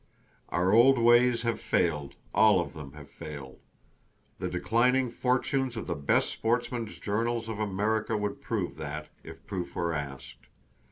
Our old ways have failed, all of them have failed. The declining fortunes of the best sportsman's journals of America would prove that, if proof were asked.